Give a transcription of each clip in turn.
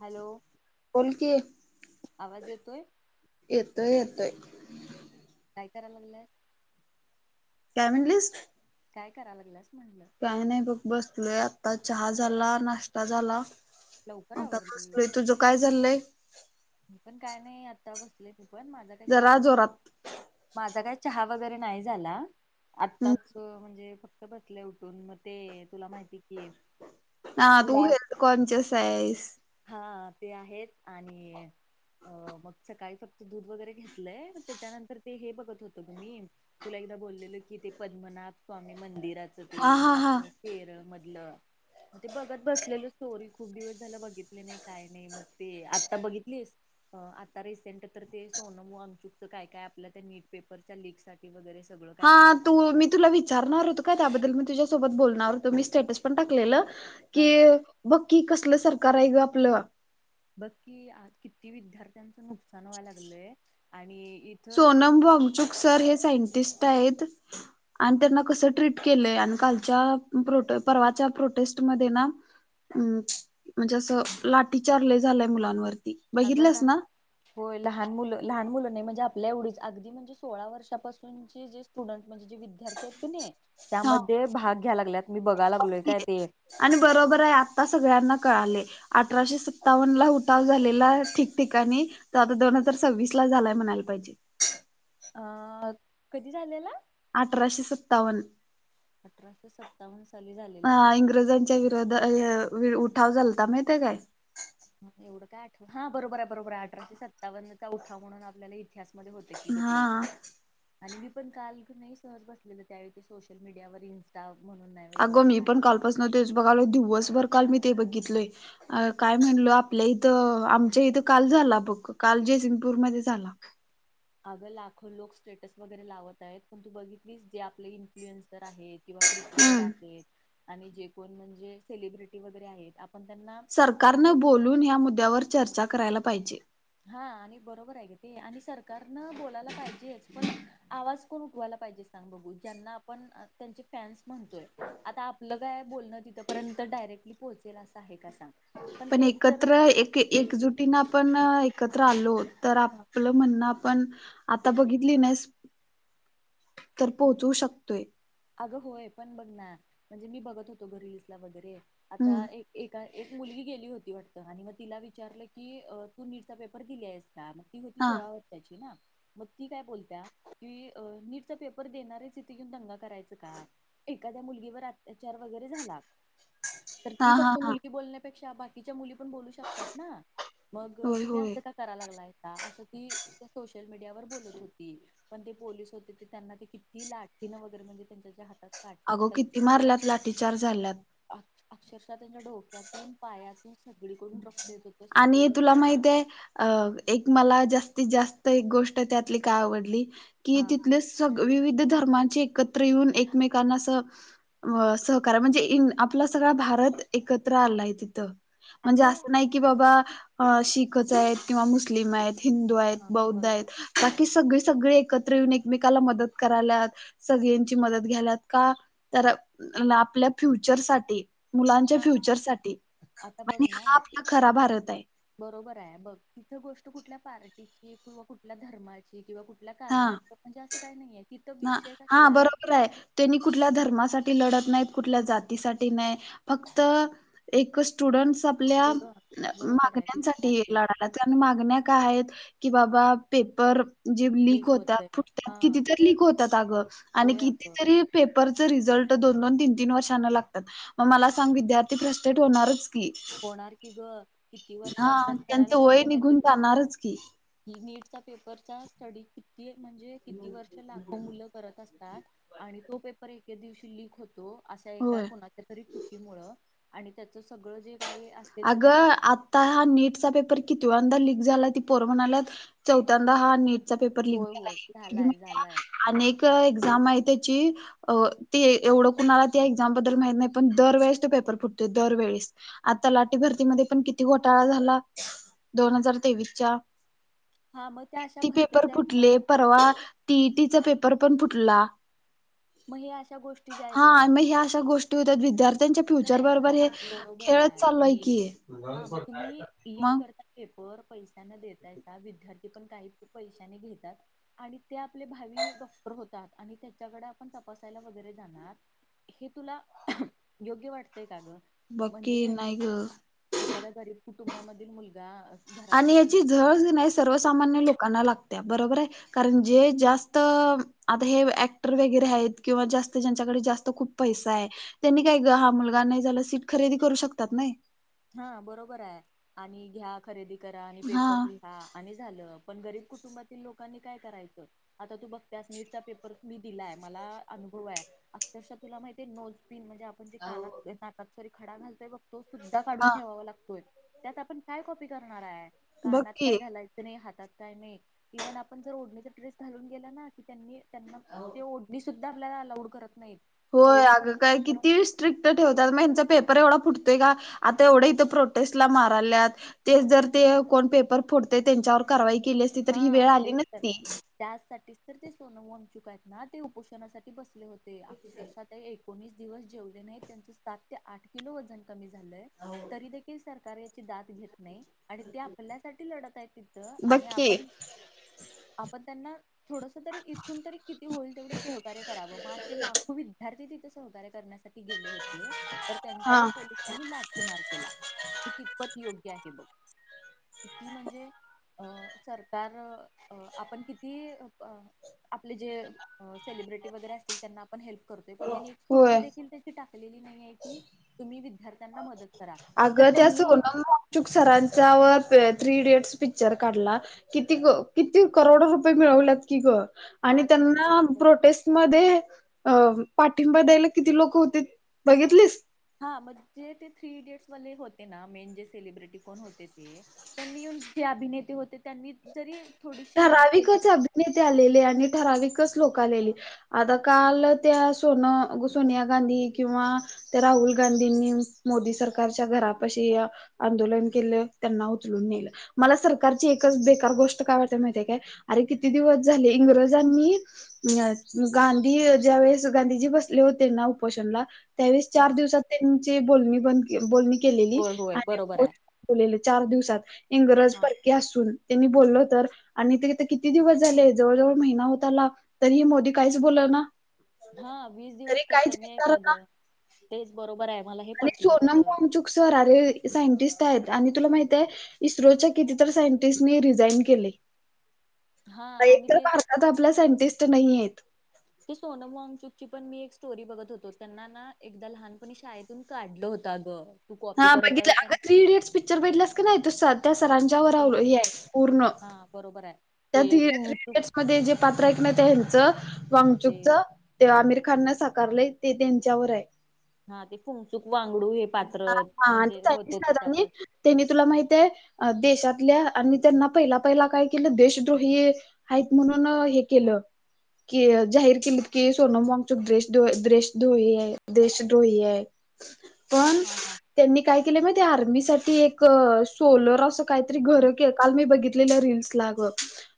Hello. बोल की आवाज येतोय येतोय येतोय. काय कराय लागल्या. काय म्हणलीस? काय कराय लागलीस म्हटलं. काही नाही बघ बसलोय आता चहा झाला नाश्ता झाला. लवकर आता आवरलीस बसलोय तुझ काय चाललय. मी पण काय नाही आत्ता बसले मी पण माझा काही चहा जरा वगैरे जोरात माझा काय चहा वगैरे नाही झाला आताच म्हणजे फक्त बसले उठून मग ते तुला माहिती की आहे. हा तू हेल्थ कॉन्शियस आहेस. हा ते आहे आणि अ मग सकाळी फक्त दूध वगैरे घेतलंय मग त्याच्यानंतर ते हे बघत होते तुम्ही? तुला एकदा बोललेलं कि ते पद्मनाथ स्वामी मंदिराच ते हा हा हा आपलं. केरळ मधल ते बघत बसलेल स्टोरी खूप दिवस झाले बघितले नाही काय नाही मग ते आत्ता बघितली. आता रिसेंट तर ते सोनम वागचुकचं काय काय आपल्या त्या निट पेपरच्या लीकसाठी. वगैरे सगळं. हा काय काय तू चाललंय मी तुला विचारणार होते. का त्याबद्दल मी तुझ्या सोबत बोलणार होते मी स्टेटस पण टाकलेल. हा बघ की कसलं सरकार आहे ग आपलं बघ कि आज किती विद्यार्थ्यांचं नुकसान व्हा लागलंय आणि इथं सोनम वांगचुक सर हे सायंटिस्ट आहेत. आणि त्यांना कसं ट्रीट केलंय आणि कालच्या परवाच्या प्रोटेस्टमध्ये ना. हम्म म्हणजे असं लाठीचार लय झालंय मुलांवरती. अगला. बघितलंस ना होय लहान मुलं लहान मुलं नाही म्हणजे आपल्या एवढीच अगदी म्हणजे सोळा वर्षापासून जे स्टुडंट म्हणजे जे. विद्यार्थी आहेत क नाही हा त्यामध्ये भाग घ्याला लागत मी बघायला लागलोय काय ते. आणि बरोबर आहे आता सगळ्यांना कळाले. अठराशे सत्तावन्न ला उठाव झालेला ठिकठिकाणी. तर आता दोन हजार सव्वीस ला झालाय म्हणायला पाहिजे. अ कधी झालेला. अठराशे सत्तावन्न. अठराशे सत्तर. सली झाली. अ इंग्रजांच्या विरोधात उठाव झालता माहिित काय. एवढं काय आठव हा बरोबर आहे बरोबर अठराशे सत्तावन्नचा उठव म्हणून आपल्याला इतिहास. मध्ये होत की ग ते. हा आणि मी पण काल घ सर बसलेलं त्यावेळी ते सोशल मीडियावर इन्. म्हणून नाही. अगं वेगळं मी पण कालपास नव्हतेोच बघालो दिवसभर काल मी ते बघितलय. अ काय म्हणल आपल्या इथं आमच्या इथं काल झाला बघ. काल जयसिंगपूरमध्येध्ये झाला. अगं लाखो लोक स्टेटस वगैरे लावत आहेत पण तू बघितलीस जे आपले इन्फ्लुएन्सर आहे किंवा. क्रिकेटर हम्म आहेत आणि जे कोण म्हणजे सेलिब्रिटी वगैरे आहेत. आपण त्यांना म्हणजे सरकारनं बोलून या मुद्द्यावर चर्चा करायला पाहिजे. हा आणि बरोबर आहे ग ते आणि सरकारनं बोलायला पाहिजेच पण आवाज कोण उठवायला पाहिजे. जना आपण त्यां फन्स म्हणतोय आ आप काय बोलण तिथंपर्यंत डायरेक्टली पोहोचेल अस आहे का सां पण एकत्र एक एकजुटीना पण एकत्र आलो होत. तर आपलं म्हणणं पण. आता बघितली नाहीस तर पोहोचवू शकतोय. अगं होय पण बघ ना म्हणजे मी बघत होतो घरी लिसला वगैरे हम्म आता एक. एका एक मुलगी गेली होती वाटत आणि मग तिला विचारलं की तू नीटचा पेपर दिली आहेस. च मगती होती हा सोळा हो. मग ती काय बोलत क नीटचा पेपर देणारिथे घेऊन दंग कराय. का एखाद्या मुलगीवर अत्याचार वगैरे झाला. तर ती हा हा फक्त हा मुलगी बोलण्यापेक्षा बाकी. त मुली पण बू शकतात ना मग होय तुम्ही अस होय. का. करा लागलायता असं ती सोशल मीडियावर बोलत होती. पण ते पोलिस होते ते त्यांना ते किती लाठीनं वगैरे म्हणजे त्यांच्याच्या हातात. काढलेत अगो काय किती ग. मारल्यात लाठीचार झाल्यात. अक्षरशः त्यांच्या डोक्यातून पायातून सगळीकडून रक्तेत होत. आणि तुला माहित आहे. अ एक मला जास्तीत जास्त एक गोष्ट त्यातली काय आवडली की हा तिथल स ''--'' स विविध धर्मांचे एकत्र येऊन एकमेकांना अस सहकार म्हणजे ईन. आपला सगळा भारत एकत्र आलाय तिथं म्हणजे अगं असं नाही की बाबा शिक. च आहेत किंवा मुस्लिम आहेत हिंदू आहेत हा बौद्ध आहेत. बरोबर बाकी सगळे सगळे एकत्र येऊन एकमेकाला मदत करायलात. सगळ्यांची मदत घ्यालात का तर आपल्या फ्युचर साठी. मुलांच्या हा फ्युचर साठी आता बघ आणि ना हा आपला खरा भारत आहे. बरोबर आहे बघ तिथं गोष्ट कुठल्या पार्टीची किंवा कुठल्या धर्माची. किंवा कुठल्या हा कारणात म्हणजे असं काही नाहीय तिथ हा विषय हा कसला हाय. बरोबर आहे त्यांनी कुठल्या धर्मासाठी लढत नाही कुठल्या जातीसाठी नाही फक्त एक स्टुडन्ट स ''--'' आपल्या थोडं बरोबर आहे मागण्यांसाठी विद्यार्थी लढा. त्या मागण्या का आहेत की बाबा पेपर जे. लीक होत्यात होतय फुटतात हा कितीतरी लक होतात अग आणि होय अगं कितीतरी. पेपरचं रिझल्ट दोन दोन तीन तीन वर्षांना लागतात. म मला सांग विद्यार्थी फ्रस्ट्रेट होणारच की. होणार की ग किती वर्ष हा अभ्यास करायला त्यांचं वय लागते माहिती निघून काय. जाणारच की ही नीटचा पेपरचा स्टडी किती म्हणजे किती वर्ष लाखो मुल. करत असात आणि तो पेपर एके दिवशी लिख लिक होतो असा एका होय कुणाच्यातरी. तरी चुकीमुळे आणि त्याच सगळं जे काय. अगं आ''--'' हा नीट चा पेपर कितीव्यांदा क झाला ती पोरं म्हणाल्या चौथ्यांदा हा नेट. चा पेपरक होय झाला होय आहे झालाय झालाय अनेक एक्झाम आहे त्याची. अ ती एवढं कुणाला त्या एक्झाम बद्दल माहत नाही पण दरवेेळेस तो पेपर फुटतो दरवेळेस. आता लाठी भरतीमध्ये पण किती घोटाळा झाला दोन हजार तेवीसच्या. हा मग त्या अशा किती भरत्या पेपर ज्या आहेत ना फुटले परवा. टीईटीचा पेपर पण फुटला मग हे अशा गोष्टी ज्या हा आहेत ना आणि मग ह्या अशा गोष्टी. गोष्टी होतात विद्यार्थ्यांच्या फ्युचर बरोबर हे. बरोबर खेळत आहे चाललोय की हा मग तुम्ही लीक मग करताय. पेपर पैशना देतायचा विद्यार्थी पण काही पैशाने घेतात. आणि ते आपले भावी डॉक्टर होतात आणि त्याच्याकडे आपण तपासायला वगैरे जाणार. हे तुला योग्य वाटतंय का ग. बघ की म्हणजे नाही ग एखाद्या गरीब कुटुंबामधील मुलगा. घरात आणि बसून याची झळ येना नाही सर्वसामान्य लोकांना लागते बरोबर आहे. कारण जे जास्त आता हे ऍक्टर वगैरे आहेत किंवा जास्त ज्यांच्याकडे जास्त खूप. पैसा आहे त्यांनी काय हा मुलगा नाही झाला सीट खरेदी करू शकतात नाही. हा बरोबर आहे आणि घ्या खरेदी करा आणि हा पेपर लीक. हा आणि झालं पण गरीब कुटुंबातील लोकांनी काय करायचं. आता तू बघतेस नीटचा पेपर मी दिलाय मला अनुभव आहे. अक्षरशः तुला माहिती आहे नोज तीन महिने अभ्या''--'' म्हणजे कानात नाकात सॉरी खडा घालताय बघतो सुद्धा काढून हा ठेवावा लागतोय. त्यात आपण काय कॉपी करणार आहे बघ कानाात की काय घालायचं नाही हातात. काय नाही इव्हन आपण जर ओढणीचा ड्रेस घालून गेला ना की त्यांनी त्यांना. आहो ते ओढणी सुद्धा आपल्याला अलाउड करत नाहीत. होय एवढासा अगं काय किती ट्रान्सपरंट स्ट्रिक ठेवात म ह्याचा पेपर एवढा फुटतय का आता एवढं इथं प्रोटेस्टला माराल्यात तेच जर ते कोण पेपर फोडतय त्यांच्यावर कारवाई केली असती तर ही वेळ आली नसती. त्याचसाठीच तर ते सोनम वनचुकं आहेत ना ते उपोषणासाठी बसले होते अक्षरशा त्या एक एकोणीस दिवस जेवले नाहीत त्यांच सात ते आठ किलो वजन कमी झालंय तरी देखील सरकार येत ची दाद घेत नाही आणि ते आपल्यासाठी लढत आहेत तिथं बघ आणि आप की आपण त्यांना थोडस तरी इथून तरी किती होईल तेवढे सहकार्य करावं म असे लाखो वि विद्यार्थी तिथे सहकार्य करण्यासाठी गेले होते तर हा त्यांच्यावर पोलिसांनी लाठी मार केला हे कितपत योग्य आहे बघ किती म्हणजे अ सरकार अ आपण किती अ आपले जे अ सेलिब्रिटी वगैरे असतील त्यांना आपण हेल्प करतोय पण त्यांनी स्टोरी होय देखील त्यांची टाकलेली नाहीये की तुम्ही वि विद्यार्थ्यांना मदत करा. जर अगं त्या त्यांनी सोनम वांगचुक सरांच्या वर थ्री इडियट्स पिक्चर काढला. किती क किती करोड रुपये मिळवल्यात की ग आणि हा थ्री त्यांना प्रोटेस्ट मध्ये अ पाठिंबा द्यायला किती लोक होते बघितलीस. हा म जे ते थ्री इडियट्स वाले होते ना मेन जे सेलिब्रिटी कोण होते ते त्यांनी येऊन जे अभिनेते होते त्यांनी जरी थोडीशी हेल्प केली ठराविकच असती. अभिनेते आलेले आणि ठराविकच लोक आलेली. आता काल त्या सोन सोनिया गांधी किंवा त्या राहुल गांधींनी मोदी सरकारच्या घरात अशी आंदोलन केलं त्यांना उचलून नेल मला सरकारची एक बेकार गोष्ट काय वाट माहिती ये काय अरे किती दिवस झाले इंग्रजांनी अ गांधी ज्या वेळेस गांधीजी बसले होते ना उपोषणला त्यावेळस हा चार दिवसात त्यांची बोलणी बंद बोलणी केलेली होय होय आणि बरोबर आहे [unintelligible] चार दिवसात इंग्रज हा पर के असून त्यांनी बोलल तर आणि ते इत किती दिवस झाले जवळजवळ महिना होत आला तरीही मोदी काहीच बोल ना हा वीस तरी दिवस काय काहीच कमी हाय विचार का ना ग तेच बरोबर हाय मला हे आणि पटलं सोनम तुझं. वांगचुक सर आले सायंटिस्ट आहेत आणि तुला माहितीये इस्रोच्या कितीतर सायंटिस्ट नी रिझाईन केलयं. [inaudible] आणि एक तर भारतात आपल्या सायंटिस्ट नाहीयेत. तो सोनम वांगचूक ची पण मी एक स्टोरी बघत होतो त्यांना ना एकदा लहानपणी शाळेतून काढलं होतं अग हा बघितलं अगं थ्री इडियट्स पिक्चर बघितलंस का नायं तो स त्या सरांच्यावर सेम अव हे हाय सेम पूर्ण हा बरोबर आहे. त्या ते थ्री फुंगचूक थ्रीइडियट मध्ये जे पात्र हाय की ना ते ह्याच ते वाांगचूकच ते आमिर खान न साकारलंय ते त्यांच्यावर हाय. हा ते फुमचुक वांगडू हे पात्र हां, हां. आणि ते म्हणजे चायनीज होतते त्याच्याप सरांनी त्यांनी तुला माहितय देशातल्या आणि त्यांना पहिला पहिला काय केलं देशद्रोही हाईत म्हणून हे केलं. की जाहीर केलीत की सोनम वांगच्छुक द्रेश द्रोही देश द्रोही आहे. पण हा, हा, त्यांनी काय केलं माहिते, आर्मी साठी एक सोलर असं काहीतरी घरके काल मी बघितलेलं रीलस आग.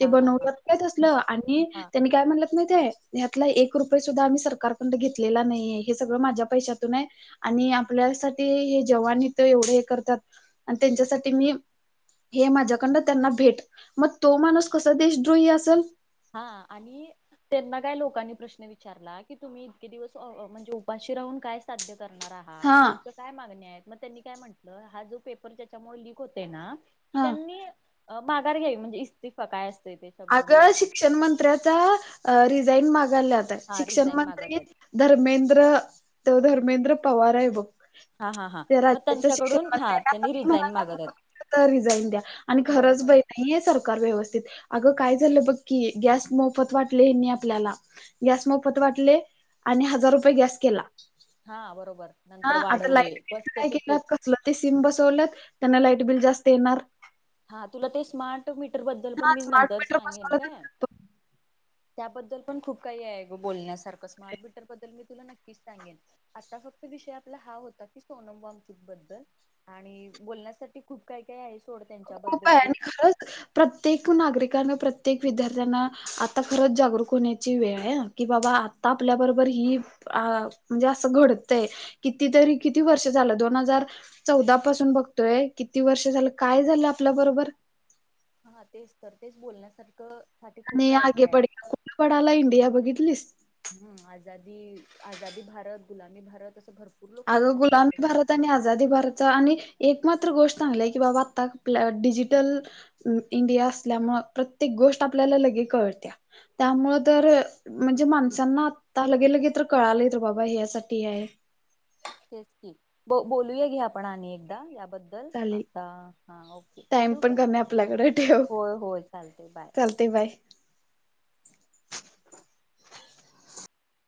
ते हा हा हा बनवलं त काय तसलं आणि हा त्यानी काय म्हणलत माहिती, यातला एक रुपये सुद्धा आम्ही सरकारकडं घेतलेला नाहीे हे सगळं माझ्या पैशातून आहे. आणि आपल्यासाठी हे जवान इथ एवढं हे करतात आणि त्यांच्यासाठी मी हे माझ्याकडडं त्यांना भेट, मग तो माणूस कसा देशद्रोही असेल? हा आणि त्यांना काय लोकांनी प्रश्न विचारला की तुम्ही इतके दिवस म्हणजे उपाशी राहून काय साध्य करणार आहात? हा तुमच काय मागणी आहेत, मग त्यांनी काय म्हटलं हा जो पेपर त्याच्यामुळे लिक होते ना की हा त्यांनी अ माघार घ्यावी म्हणजे इस्तिफा काय असते ते. शब्द आग मला शिक्षण मंत्र्याचा रिझाईन मागायला आता. हा शिक्षण रिझाईन मागत मंत्री आहेत. धर्मेंद्र ते धर्मेंद्र पवार आहे बघ. हा हा हा त्या मग राज्याच्या शिक्षण त्यांच्याकडून हा मंत्यां त्यांनी [unintelligible] रिझाईन मागत आहेत. म्हणाला रिझाईन द्या आणि खरंच बरोबर बाई नाही येत सरकार व्यवस्थित. अगं काय झालं बघ की, गॅस् मोफत वाटले हे नाही आपल्याला गॅस मोफत वाटले आणि हजार रुपये गॅस केला. हा बरोबर नंतर हा आता वाढवले लाईट बिल बसच काय केलं तिकीट ते सिम बसवल्यात त्यांना लाईट बिल जास्त येणार. हा तुला ते स्मार्ट मीटर बद्दल पण हा मी स्मार्ट नंतर मीटर सांगेन काय. बसवलं त्याबद्दल पण खूप काही आहे ग बोलण्यासारखं, स्मार्ट मीटर बद्दल मी तुला नक्कीच सांगेन. आता फक्त विषय आपला हा होता की सोनम वामचूक बद्दल आणि बोलण्यासाठी खूप काय काय आहे सोडत खूप आहे आणि खरंच प्रत्येक नागरिकना प्रत्येक विद्यार्थ्यांना आता खरंच जागरूक होण्याची वेळ आहे. कि बाबा आता आपल्याबरोबर ही म्हणजे असं घडतंय किती तरी किती वर्ष झालं दोन हजार चौदा पासून बघतोय किती वर्ष झालं काय झालं आपलं बरोबर? हा तेच तर तेच बोलण्यासारखं साठी खूप काय काय आहे. वडाला इंडिया बघितलीस? हम्म, आझादी -आझादी भारत, गुलामी भारत, असं भरपूर लोक आग स्टेटस वगैरे गुलामी भारत त्यांनी आजादी भारतचा आणि एक मात्र गोष्ट चांगलाय की बाबा आता - डिजिटल इंडिया असल्यामुळ प्रत्येक गोष्ट आपल्याला लगे कळत्या त्यामुळ तर म्हणजे माणसांना आता लगे लगे तर कळालंय तर बाबा हे ह्यासाठी हाय. तेच की, बो बोलू या की आपण आणि एकदा बद - बद्दल, चालेल आता हा ओके टाइम ठेवू पण काय? कमी आपल्याकडे होय होय चालते बाय. ते [unintelligible]